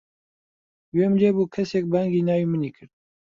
گوێم لێ بوو کەسێک بانگی ناوی منی کرد.